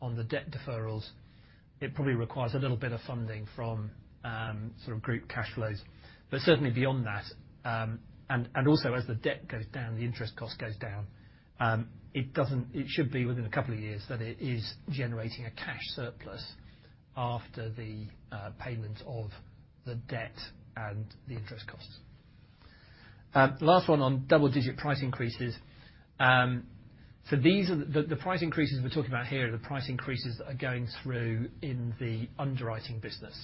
B: on the debt deferrals. It probably requires a little bit of funding from sort of group cash flows. Certainly beyond that, also as the debt goes down, the interest cost goes down, it should be within a couple of years that it is generating a cash surplus after the payment of the debt and the interest costs. Last one on double-digit price increases.
A: These are the price increases we're talking about here are the price increases that are going through in the underwriting business.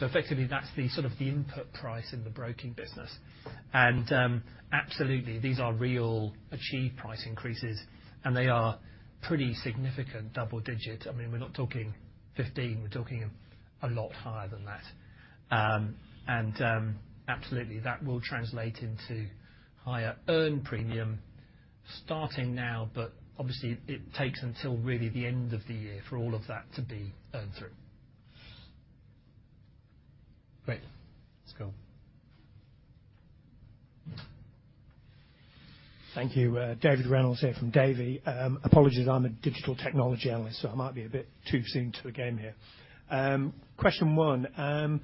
A: Effectively, that's the sort of the input price in the broking business. Absolutely, these are real achieved price increases, and they are pretty significant double digit. I mean, we're not talking 15, we're talking a lot higher than that. Absolutely, that will translate into higher earned premium starting now, but obviously, it takes until really the end of the year for all of that to be earned through. Great. Let's go on.
H: Thank you. David Reynolds here from Davy. Apologies, I'm a digital technology analyst, so I might be a bit too soon to the game here. Question 1.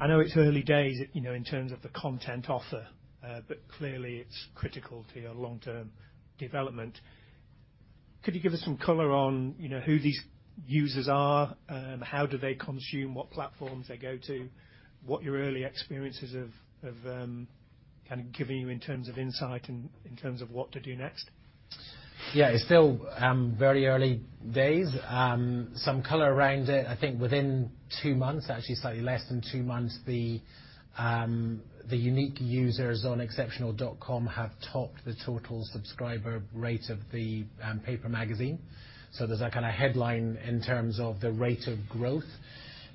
H: I know it's early days, you know, in terms of the content offer, but clearly it's critical to your long-term development. Could you give us some color on, you know, who these users are? How do they consume? What platforms they go to? What your early experiences of giving you in terms of insight in terms of what to do next?
A: Yeah. It's still, very early days. Some color around it. I think within 2 months, actually slightly less than 2 months, the unique users on Exceptional.com have topped the total subscriber rate of the, paper magazine. There's that kinda headline in terms of the rate of growth.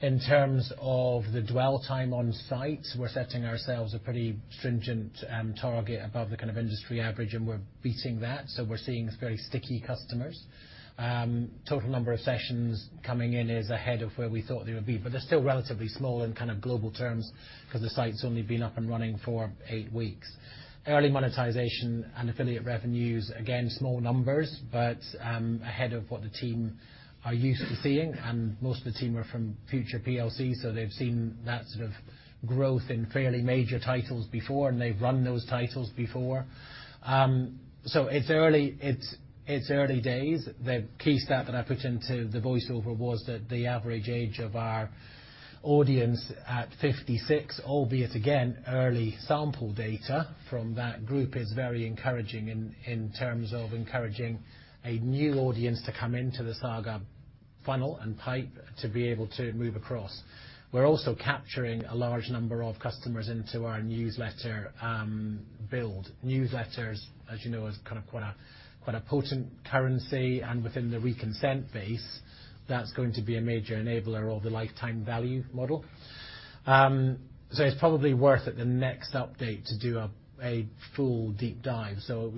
A: In terms of the dwell time on site, we're setting ourselves a pretty stringent, target above the kind of industry average, and we're beating that. We're seeing very sticky customers. Total number of sessions coming in is ahead of where we thought they would be, but they're still relatively small in kind of global terms 'cause the site's only been up and running for 8 weeks. Early monetization and affiliate revenues, again, small numbers, but ahead of what the team are used to seeing, and most of the team are from Future PLC, so they've seen that sort of growth in fairly major titles before, and they've run those titles before. It's early. It's early days. The key stat that I put into the voiceover was that the average age of our audience at 56, albeit, again, early sample data from that group, is very encouraging in terms of encouraging a new audience to come into the Saga funnel and pipe to be able to move across. We're also capturing a large number of customers into our newsletter build. Newsletters, as you know, is kind of quite a potent currency, and within the reconsent base, that's going to be a major enabler of the lifetime value model. It's probably worth at the next update to do a full deep dive.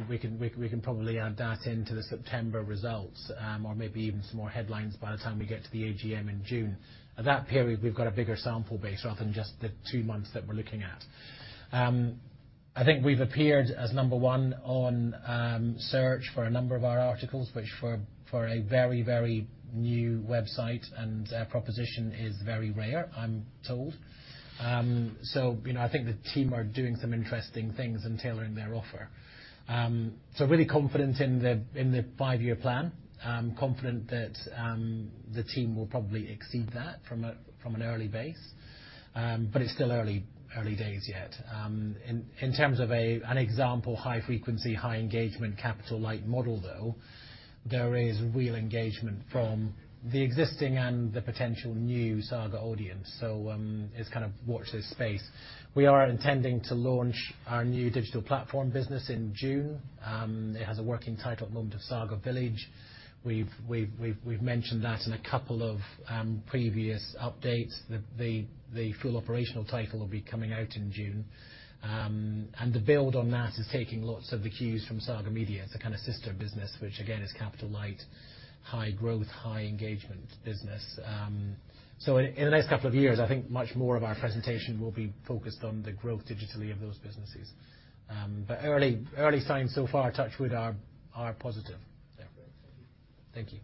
A: We can probably add that into the September results or maybe even some more headlines by the time we get to the AGM in June. At that period, we've got a bigger sample base rather than just the 2 months that we're looking at. I think we've appeared as number 1 on search for a number of our articles, which for a very, very new website and proposition is very rare, I'm told. You know, I think the team are doing some interesting things and tailoring their offer. Really confident in the 5-year plan. I'm confident that the team will probably exceed that from an early base. It's still early days yet. In terms of an example, high frequency, high engagement, capital light model, though, there is real engagement from the existing and the potential new Saga audience. It's kind of watch this space. We are intending to launch our new digital platform business in June. It has a working title at the moment of Saga Village. We've mentioned that in a couple of previous updates. The full operational title will be coming out in June. The build on that is taking lots of the cues from Saga Media. It's a kind of sister business, which again is capital light, high growth, high engagement business. In the next couple of years, I think much more of our presentation will be focused on the growth digitally of those businesses. Early signs so far, touch wood, are positive.
H: Great. Thank you.
A: Thank you.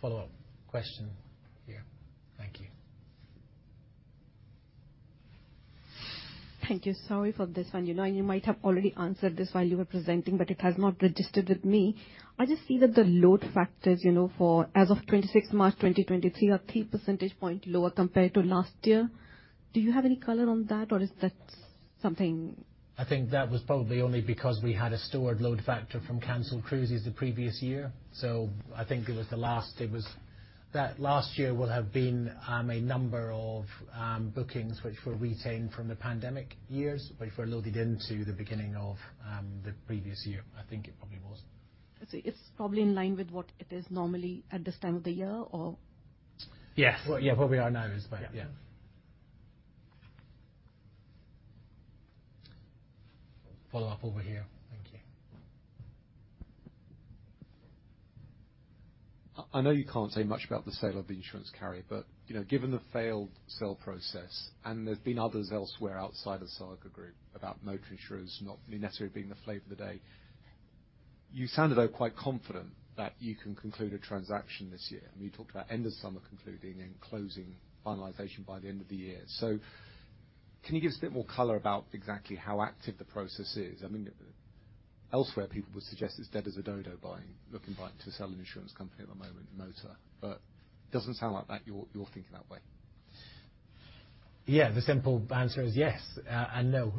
A: Follow-up question here. Thank you.
F: Thank you. Sorry for this one. You know, you might have already answered this while you were presenting, but it has not registered with me. I just see that the load factors, you know, for as of 26th March, 2023, are 3 percentage point lower compared to last year. Do you have any color on that, or is that something...
A: I think that was probably only because we had a stored load factor from canceled cruises the previous year. I think That last year will have been a number of bookings which were retained from the pandemic years, which were loaded into the beginning of the previous year. I think it probably was.
F: it's probably in line with what it is normally at this time of the year.
A: Yes. Well, yeah, where we are now is about, yeah. Follow-up over here. Thank you.
H: I know you can't say much about the sale of the insurance carrier, but, you know, given the failed sale process, and there's been others elsewhere outside of Saga Group about motor insurers not necessarily being the flavor of the day. You sounded, though, quite confident that you can conclude a transaction this year. I mean, you talked about end of summer concluding and closing finalization by the end of the year. Can you give us a bit more color about exactly how active the process is? I mean, elsewhere, people would suggest it's dead as a dodo to sell an insurance company at the moment in motor, but doesn't sound like that you're thinking that way.
A: Yeah, the simple answer is yes, and no.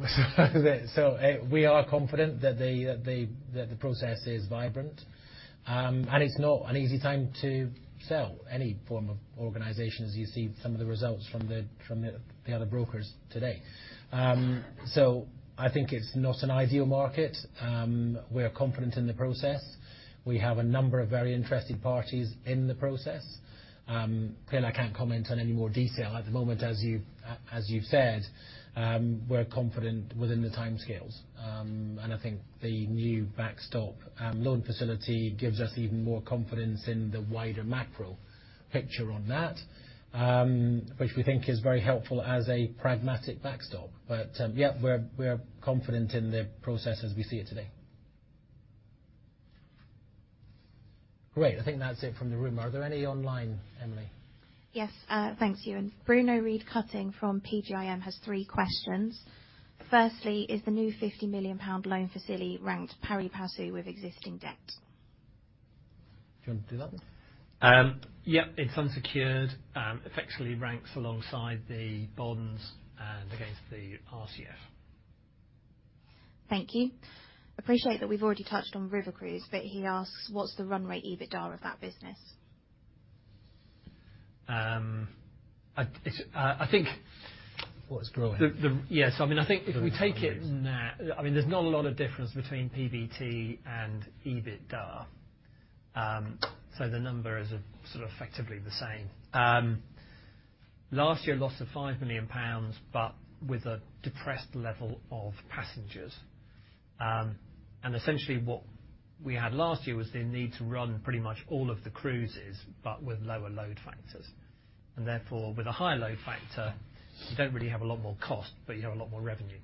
A: We are confident that the process is vibrant. It's not an easy time to sell any form of organizations. You see some of the results from the other brokers today. I think it's not an ideal market. We're confident in the process. We have a number of very interested parties in the process. Clearly, I can't comment on any more detail. At the moment, as you've said, we're confident within the timescales. I think the new backstop loan facility gives us even more confidence in the wider macro picture on that, which we think is very helpful as a pragmatic backstop. Yeah, we're confident in the process as we see it today. Great. I think that's it from the room. Are there any online, Emily?
E: Yes. Thanks, Euan. Bruno Réal-Dautigny from PGIM has three questions. Firstly, is the new GBP 50 million loan facility ranked pari passu with existing debt?
A: Do you wanna do that one?
B: Yep. It's unsecured, effectively ranks alongside the bonds and against the RCF.
E: Thank you. Appreciate that we've already touched on river cruise, he asks, what's the run rate EBITDA of that business?
B: Um, I, it's, uh, I think-
A: It's growing.
B: Yes, I mean, I think.
A: For some reason.
B: I mean, there's not a lot of difference between PBT and EBITDA. The number is, sort of, effectively the same. Last year, loss of 5 million pounds, but with a depressed level of passengers. Essentially what we had last year was the need to run pretty much all of the cruises, but with lower load factors. Therefore, with a high load factor, you don't really have a lot more cost, but you have a lot more revenue.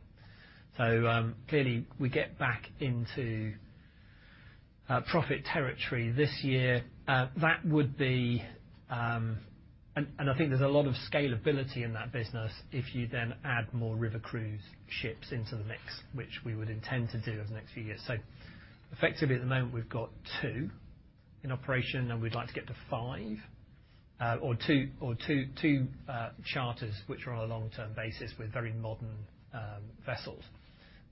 B: Clearly we get back into profit territory this year. That would be. I think there's a lot of scalability in that business if you then add more river cruise ships into the mix, which we would intend to do over the next few years. Effectively, at the moment, we've got 2 in operation, and we'd like to get to 5, 2 charters, which are on a long-term basis with very modern vessels.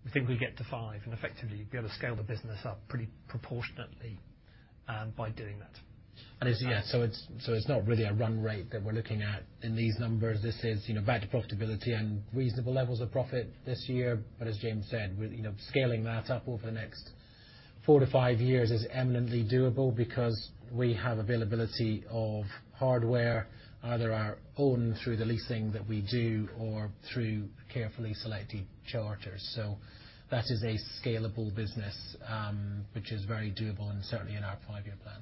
B: We think we can get to 5, and effectively, be able to scale the business up pretty proportionately by doing that.
A: It's, yeah, so it's not really a run rate that we're looking at in these numbers. This is, you know, back to profitability and reasonable levels of profit this year. As James said, we're, you know, scaling that up over the next 4 to 5 years is eminently doable because we have availability of hardware, either our own through the leasing that we do, or through carefully selected charters. That is a scalable business, which is very doable and certainly in our 5-year plan.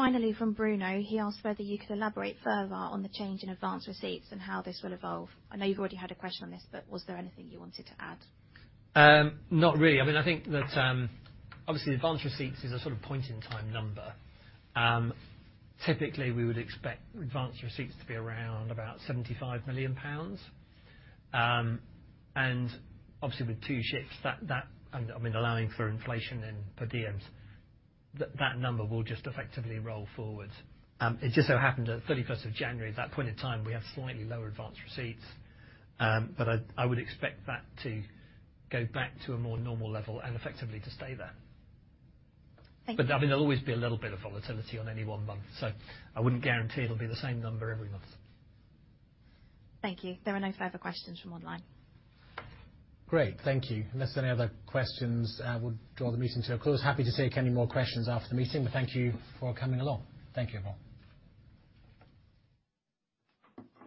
E: Finally, from Bruno, he asked whether you could elaborate further on the change in advance receipts and how this will evolve. I know you've already had a question on this, but was there anything you wanted to add?
B: Not really. I mean, I think that, obviously advance receipts is a sort of point-in-time number. Typically, we would expect advance receipts to be around about 75 million pounds. Obviously, with two ships, that, and, I mean, allowing for inflation and per diems, that number will just effectively roll forward. It just so happened at January 31st, at that point in time, we had slightly lower advance receipts. I would expect that to go back to a more normal level and effectively to stay there.
E: Thank you.
B: I mean, there'll always be a little bit of volatility on any one month, so I wouldn't guarantee it'll be the same number every month.
E: Thank you. There are no further questions from online.
A: Great. Thank you. Unless there any other questions, I would draw the meeting to a close. Happy to take any more questions after the meeting, but thank you for coming along. Thank you, everyone.